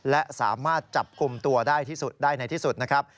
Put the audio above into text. และสามารถจับคุมตัวได้ในที่สุดนะครับ